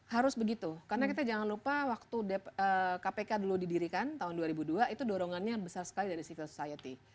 harus begitu karena kita jangan lupa waktu kpk dulu didirikan tahun dua ribu dua itu dorongannya besar sekali dari civil society